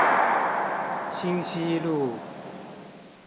興西路